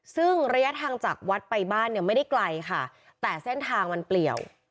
ซึ่งระยะทางจากวัดไปบ้านเนี่ยไม่ได้ไกลค่ะแต่เส้นทางมันเปลี่ยว